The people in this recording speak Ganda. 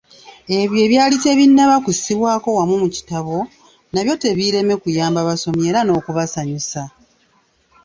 Ebyo ebyali bitannaba kussibwako wamu mu kitabo, nabyo tebiireme kuyamba basomi era n'okubasanyusa.